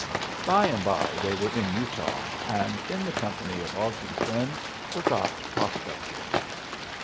By and by they were in Utah, and, in the company of Ogden friends, forgot prospecting.